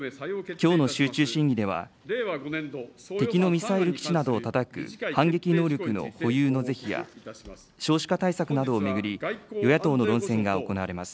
きょうの集中審議では、敵のミサイル基地などをたたく反撃能力の保有の是非や、少子化対策などを巡り、与野党の論戦が行われます。